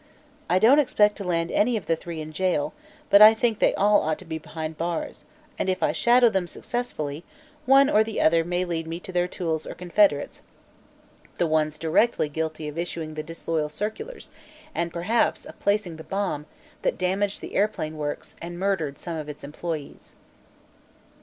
I don't expect to land any of the three in jail, but I think they all ought to be behind the bars, and if I shadow them successfully, one or the other may lead me to their tools or confederates the ones directly guilty of issuing the disloyal circulars and perhaps of placing the bomb that damaged the airplane works and murdered some of its employes."